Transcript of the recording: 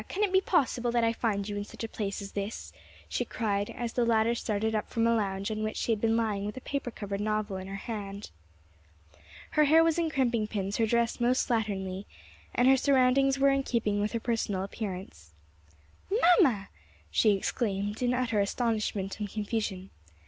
can it be possible that I find you in such a place as this?" she cried, as the latter started up from a lounge on which she had been lying with a paper covered novel in her hand. Her hair was in crimping pins, her dress most slatternly, and her surroundings were in keeping with her personal appearance. "Mamma!" she exclaimed in utter astonishment and confusion.